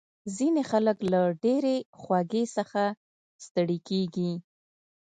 ځینې خلک له ډېرې خوږې څخه ستړي کېږي.